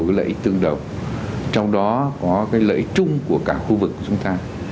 một lợi ích tương đồng trong đó có lợi ích trung của cả khu vực của chúng ta